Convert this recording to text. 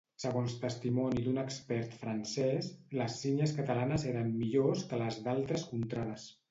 Segons testimoni d’un expert francès, les sínies catalanes eren millors que les d’altres contrades.